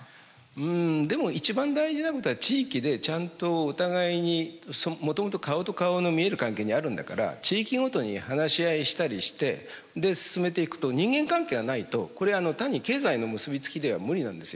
うんでも一番大事なことは地域でちゃんとお互いにもともと顔と顔の見える関係にあるんだから地域ごとに話し合いしたりしてで進めていくと人間関係がないとこれは単に経済の結び付きでは無理なんですよ。